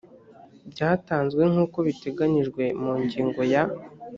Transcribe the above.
byatanzwe nk uko biteganyijwe mu ngingo ya